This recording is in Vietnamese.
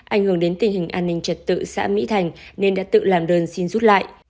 ảnh hưởng đến tình hình an ninh trật tự xã mỹ thành nên đã tự làm đơn xin rút lại